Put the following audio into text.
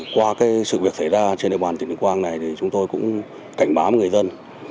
qua sự việc xảy ra trên địa bàn tỉnh bình quang này thì chúng tôi cũng cảnh báo người dân